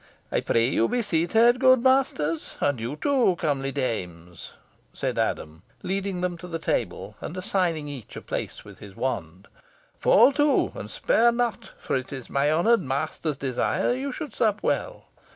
"I pray you be seated, good masters, and you, too, comely dames," said Adam, leading them to the table, and assigning each a place with his wand. "Fall to, and spare not, for it is my honoured master's desire you should sup well.